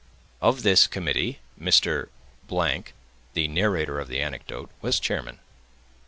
Of this committee Mr.——, the narrator of the anecdote, was chairman.